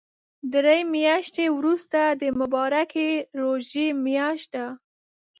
دري مياشتی ورسته د مبارکی ژوری مياشت ده